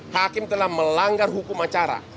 hakim telah melanggar hukum acara